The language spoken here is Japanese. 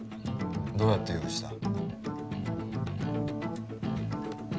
どうやって用意した？